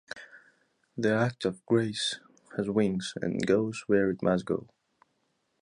The act of grace has wings and goes where it must go.